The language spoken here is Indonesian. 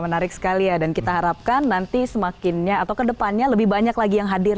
menarik sekali ya dan kita harapkan nanti semakinnya atau kedepannya lebih banyak lagi yang hadir